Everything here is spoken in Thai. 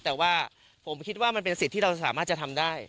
แต่ว่าผมคิดว่ามันเป็นสิทธิ์ที่เราสามารถจะทำได้